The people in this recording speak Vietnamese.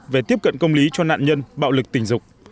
về tiếp cận công lý cho nạn nhân bạo lực tình dục